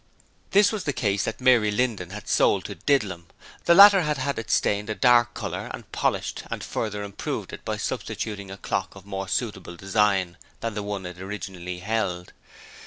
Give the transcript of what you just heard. This was the case that Mary Linden had sold to Didlum; the latter had had it stained a dark colour and polished and further improved it by substituting a clock of more suitable design than the one it originally held.